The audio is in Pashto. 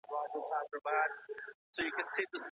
طبي پوهنځۍ بې له ځنډه نه پیلیږي.